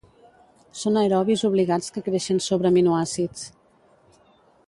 Són aerobis obligats que creixen sobre aminoàcids.